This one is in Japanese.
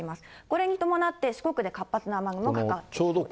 これに伴って、四国で活発な雨雲がかかってきそうです。